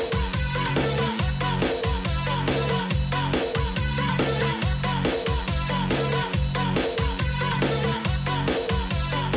ไปพบยิ่งมานั่งฟังโฟดดำกับโฟดกัดกัน